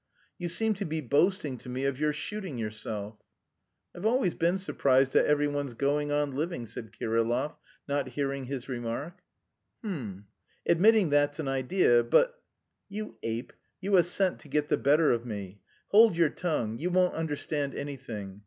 "You seem to be boasting to me of your shooting yourself." "I've always been surprised at every one's going on living," said Kirillov, not hearing his remark. "H'm! Admitting that's an idea, but..." "You ape, you assent to get the better of me. Hold your tongue; you won't understand anything.